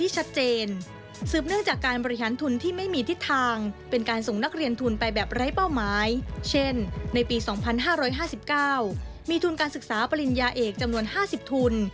เช่นในปี๒๕๕๙มีทุนการศึกษาปริญญาเอกจำนวน๕๐ทุน